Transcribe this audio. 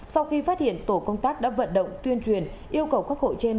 sau khi phát hiện tổ công tác đã vận động tuyên truyền yêu cầu các hộ trên